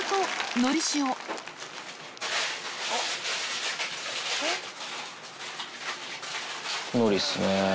のりっすね。